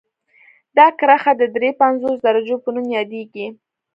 دا کرښه د دري پنځوس درجو په نوم یادیږي